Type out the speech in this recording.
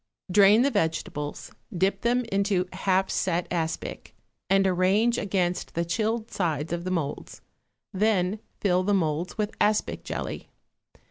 Drain the vegetables, dip them into half set aspic, and arrange against the chilled sides of the moulds; then fill the moulds with aspic jelly.